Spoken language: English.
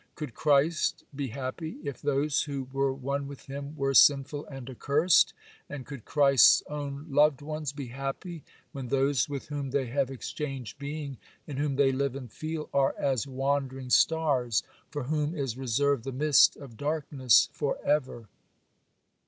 Could Christ be happy, if those who were one with Him were sinful and accursed? and could Christ's own loved ones be happy, when those with whom they have exchanged being, in whom they live and feel, are as wandering stars, for whom is reserved the mist of darkness for ever?